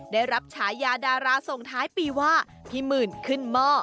ได้รับฉายาดาราส่งท้ายปีว่าพี่หมื่นขึ้นหม้อ